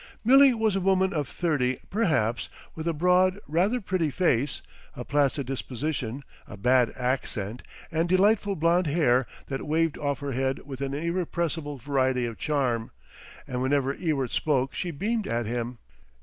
Milly was a woman of thirty, perhaps, with a broad, rather pretty face, a placid disposition, a bad accent and delightful blond hair that waved off her head with an irrepressible variety of charm; and whenever Ewart spoke she beamed at him.